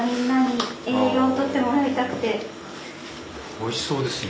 おいしそうですね。